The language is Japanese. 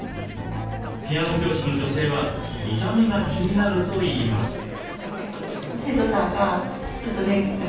ピアノ教師の女性は見た目が気になるといいます。